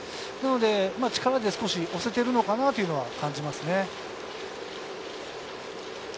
力で押せているのかなというのは感じます。